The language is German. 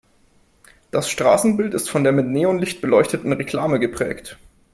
Das Straßenbild ist von der mit Neonlicht beleuchteten Reklame geprägt.